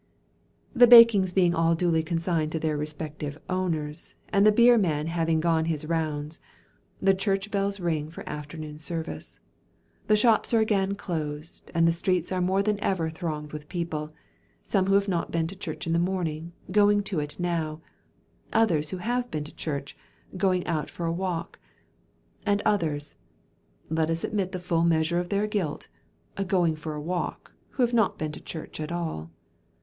The bakings being all duly consigned to their respective owners, and the beer man having gone his rounds, the church bells ring for afternoon service, the shops are again closed, and the streets are more than ever thronged with people; some who have not been to church in the morning, going to it now; others who have been to church, going out for a walk; and others—let us admit the full measure of their guilt—going for a walk, who have not been to church at all.